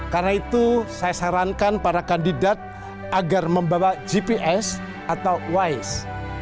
karena itu saya sarankan para kandidat agar membawa gps atau wise